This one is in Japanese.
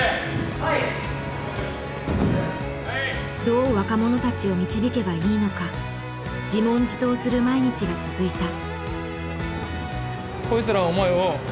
どう若者たちを導けばいいのか自問自答する毎日が続いた。